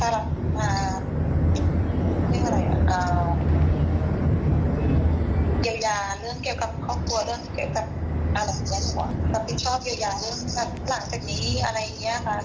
รักษณีย์อะไรอย่างนี้ค่ะ